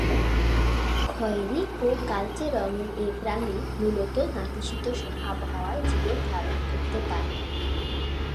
খয়েরি ও কালচে রঙের এ প্রাণী মূলত নাতিশীতোষ্ণ আবহাওয়ায় জীবন ধারণ করতে পারে।